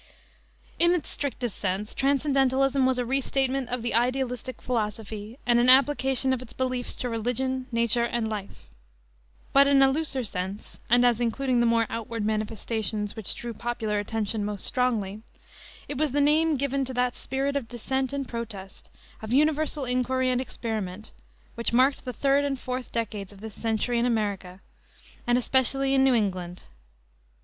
In its strictest sense Transcendentalism was a restatement of the idealistic philosophy, and an application of its beliefs to religion, nature, and life. But in a looser sense, and as including the more outward manifestations which drew popular attention most strongly, it was the name given to that spirit of dissent and protest, of universal inquiry and experiment, which marked the third and fourth decades of this century in America, and especially in New England.